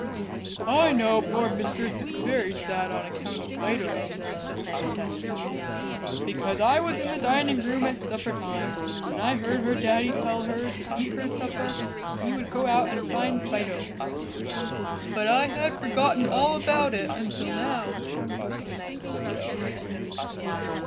"I know poor Mistress is very sad on account of Fido," said the Dutch doll, "because I was in the dining room at supper time and I heard her daddy tell her to eat her supper and he would go out and find Fido; but I had forgotten all about it until now."